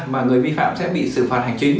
mà người vi phạm sẽ bị xử phạt hành chính